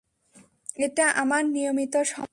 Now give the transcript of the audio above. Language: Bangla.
এটা আমার নিয়মিত সময়।